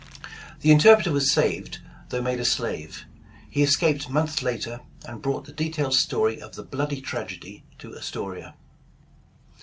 The interpreter was saved, though made a slave. He escaped months later, and brought the detailed story of the bloody tragedy to Astoria.